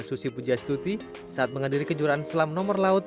susi pujastuti saat menghadiri kejuaraan selam nomor laut